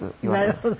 なるほど。